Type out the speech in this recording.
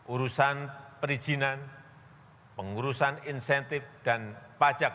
urusan perizinan pengurusan insentif dan pajak